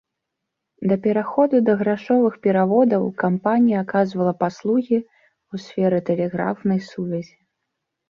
Да пераходу да грашовых пераводаў кампанія аказвала паслугі ў сферы тэлеграфнай сувязі.